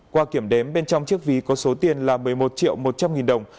qua kiểm đếm bên trong chiếc ví có số tiền là một mươi một triệu một trăm linh nghìn đồng